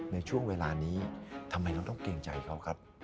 ในช่วงเวลานี้ทำไมเราต้องเกรงใจเขาครับ